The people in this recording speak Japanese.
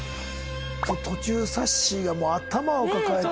途中さっしーが頭を抱えて。